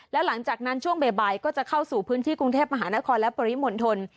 และหลังจากนั้นช่วงบ่ายก็จะเข้าสู่พื้นที่กรุงเทพมหานครและปริมณฑล